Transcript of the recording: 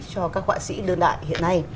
cho các họa sĩ đơn đại hiện nay